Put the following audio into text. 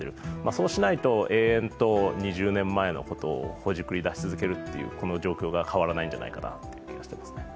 そうしないと延々と２０年前のことをほじくり出し続ける状況が変わらないんじゃないかという気がしていますね。